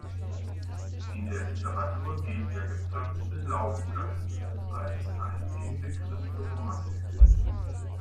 In der Literatur gilt der gepflanzte Laubengang als ein Inbegriff für Romantik.